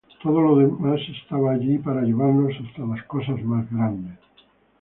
Todo lo demás estaba allí para llevarnos hasta las cosas más grandes.